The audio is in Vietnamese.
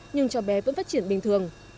nhưng cho bé vẫn phát triển bình thường